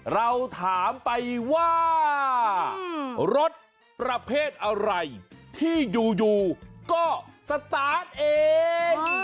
เราถามไปว่ารถประเภทอะไรที่อยู่ก็สตาร์ทเอง